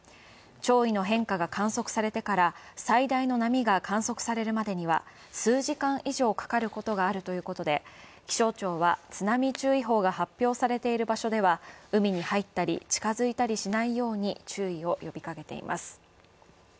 潮位の変化が観測されてから最大の波が観測されるまでには数時間以上かかることがあるということで、気象庁は津波注意報が発表されている場所では海に入ったり近づいたりしないように注意を呼びかけています。